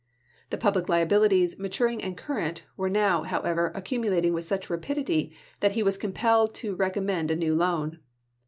The public liabilities, maturing and current, were now, however, accumulating with such rapidity that he was compelled to recom mend a new loan.